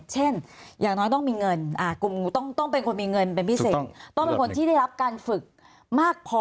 อย่างน้อยต้องมีเงินกลุ่มต้องเป็นคนมีเงินเป็นพิเศษต้องเป็นคนที่ได้รับการฝึกมากพอ